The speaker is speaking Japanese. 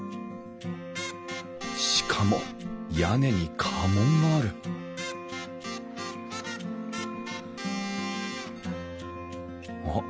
しかも屋根に家紋があるあっ